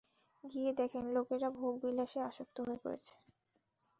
গিয়ে দেখেন, লোকেরা ভোগ-বিলাসে আসক্ত হয়ে পড়েছে।